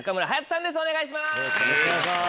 お願いします。